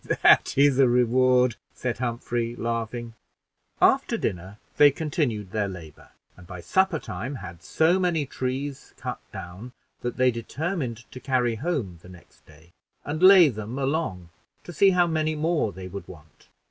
"That is a reward," said Humphrey, laughing. After dinner they continued their labor, and by supper time had so many trees cut down, that they determined to carry home the next day, and lay them along to see how many more they would want.